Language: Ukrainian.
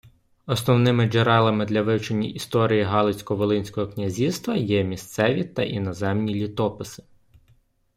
Основними джерелами для вивчення історії Галицько-Волинського князівства є місцеві та іноземні літописи.